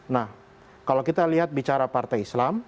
nah kalau kita lihat bicara partai islam